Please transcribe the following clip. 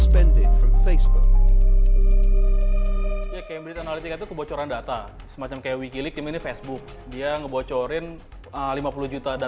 perusahaan yang mengatakan bahwa ini adalah perusahaan yang pivotal dalam mengembangkan donald trump